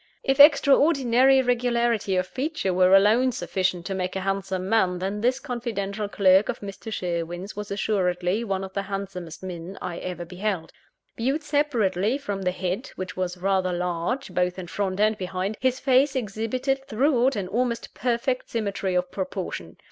If extraordinary regularity of feature were alone sufficient to make a handsome man, then this confidential clerk of Mr. Sherwin's was assuredly one of the handsomest men I ever beheld. Viewed separately from the head (which was rather large, both in front and behind) his face exhibited, throughout, an almost perfect symmetry of proportion.